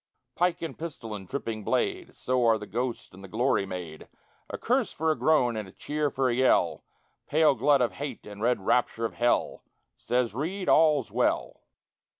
Pike and pistol and dripping blade (So are the ghosts and the glory made); A curse for a groan, and a cheer for a yell; Pale glut of Hate and red rapture of Hell! Says Reid, "All's well!"